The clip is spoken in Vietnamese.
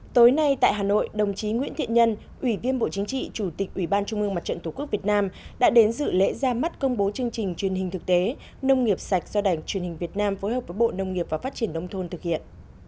tối nay tại hà nội đồng chí nguyễn thiện nhân ủy viên bộ chính trị chủ tịch ủy ban trung mương mặt trận tổ quốc việt nam đã đến dự lễ ra mắt công bố chương trình truyền hình thực tế nông nghiệp sạch do đài truyền hình việt nam phối hợp với bộ nông nghiệp và phát triển nông thôn thực hiện